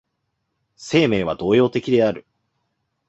生命は動揺的である。